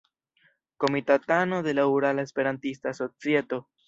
Komitatano de la Urala Esperantista Societo.